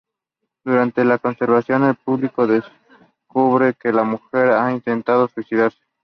Durante la conversación, el público descubre que la mujer ha intentado suicidarse.